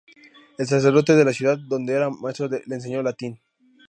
El sacerdote de la ciudad donde era maestro le enseñó latín.